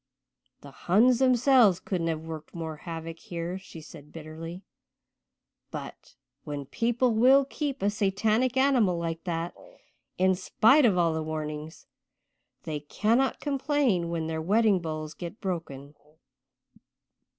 "The Huns themselves couldn't have worked more havoc here," she said bitterly. "But when people will keep a Satanic animal like that, in spite of all warnings, they cannot complain when their wedding bowls get broken.